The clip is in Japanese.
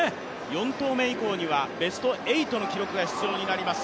４投目以降にはベスト８の記録が必要になります。